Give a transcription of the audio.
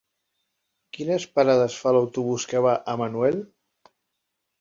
Quines parades fa l'autobús que va a Manuel?